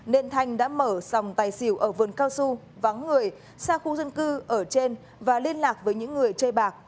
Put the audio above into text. nên thanh đã mở sòng tài xỉu ở vườn cao su vắng người xa khu dân cư ở trên và liên lạc với những người chơi bạc